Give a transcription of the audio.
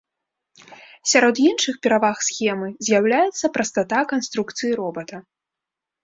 Сярод іншых пераваг схемы з'яўляецца прастата канструкцыі робата.